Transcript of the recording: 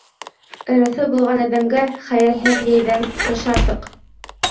Ырыҫы булған әҙәмгә хәйерһеҙ йәйҙән ҡыш артыҡ.